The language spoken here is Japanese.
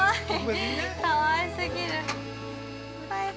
かわいすぎる。